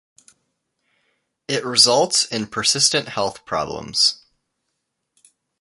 It results in persistent health problems.